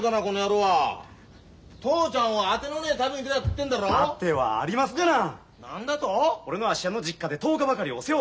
俺の芦屋の実家で１０日ばかりお世話をさしてもらいます。